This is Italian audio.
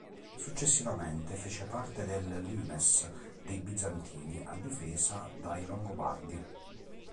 Successivamente, fece parte del "limes" dei Bizantini a difesa dai Longobardi.